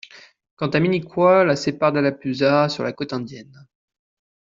Quant à Minicoy, la séparent d'Alappuzha, sur la côte indienne.